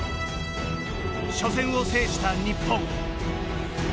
初戦を制した日本。